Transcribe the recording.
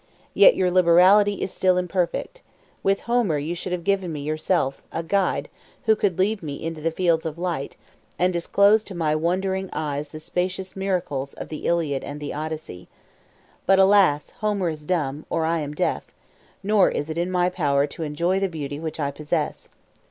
Yet your liberality is still imperfect: with Homer you should have given me yourself; a guide, who could lead me into the fields of light, and disclose to my wondering eyes the spacious miracles of the Iliad and Odyssey. But, alas! Homer is dumb, or I am deaf; nor is it in my power to enjoy the beauty which I possess.